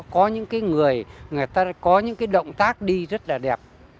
có những cái người người ta có những cái động tác đi rất là đẹp